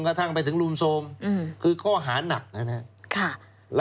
กระทั่งไปถึงรุมโทรมคือข้อหานักนะครับ